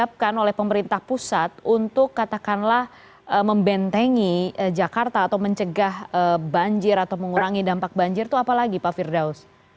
apa yang dilakukan oleh pemerintah pusat untuk katakanlah membentengi jakarta atau mencegah banjir atau mengurangi dampak banjir itu apalagi pak firdaus